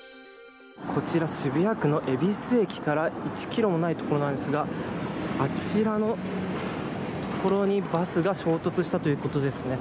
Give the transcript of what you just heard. こちら渋谷区の恵比寿駅から１キロもない所なんですがあちらの所にバスが衝突したということですね。